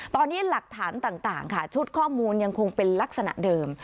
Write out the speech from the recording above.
ตอนนี้หลักฐานต่างค่ะชุดข้อมูลยังคงเป็นลักษณะเดิม